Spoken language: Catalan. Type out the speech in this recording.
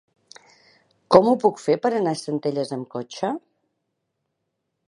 Com ho puc fer per anar a Centelles amb cotxe?